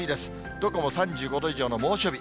どこも３５度以上の猛暑日。